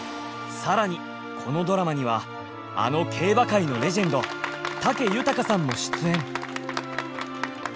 更にこのドラマにはあの競馬界のレジェンド武豊さんも出演！